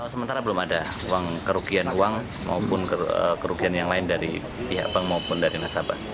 sementara belum ada uang kerugian uang maupun kerugian yang lain dari pihak bank maupun dari nasabah